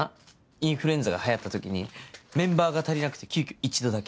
インフルエンザが流行った時にメンバーが足りなくて急きょ一度だけ。